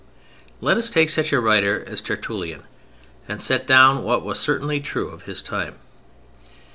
Let us take such a writer as Tertullian and set down what was certainly true of his time.